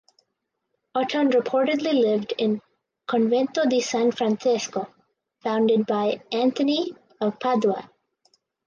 Oton reportedly lived in the "Convento di San Francesco" founded by Anthony of Padua.